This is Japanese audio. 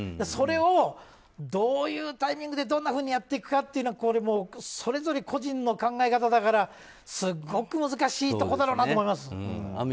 それをどういうタイミングでどんなふうにやっていくかっていうのはそれぞれ個人の考え方だからすごく難しいことだなと思います。